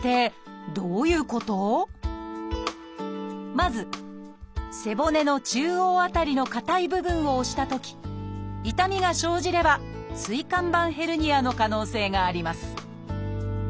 まず背骨の中央辺りのかたい部分を押したとき痛みが生じれば椎間板ヘルニアの可能性があります